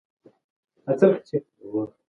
انا وویل چې صبر د هرې ستونزې حل دی.